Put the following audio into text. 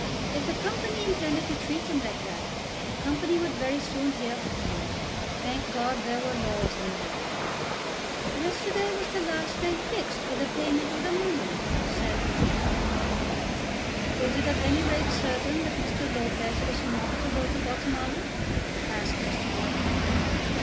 If the Company intended to treat him like that, the Company would very soon hear from him. Thank God there were laws in the land. "Yesterday was the last day fixed for the payment of the money," said Mr. Hartlepod. "It is at any rate certain that Mr. Lopez is not to go to Guatemala?" asked Mr. Wharton.